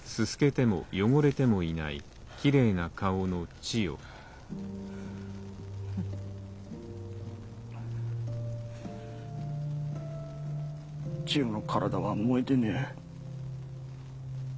チヨの体は燃えてねえ。